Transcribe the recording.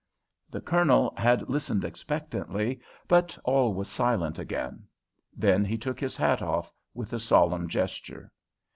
The Colonel had listened expectantly, but all was silent again. Then he took his hat off with a solemn gesture.